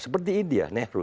seperti india nehru